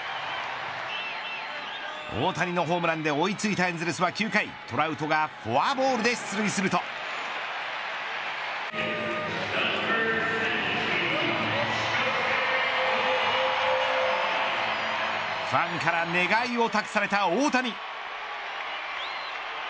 大谷のホームランで追いついたエンゼルスは９回トラウトがフォアボールで出塁するとファンから願いを託された大谷。